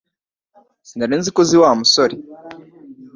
Sinari nzi ko uzi wa musore